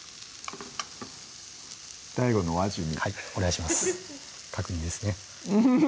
ＤＡＩＧＯのお味見お願いします確認ですねうん！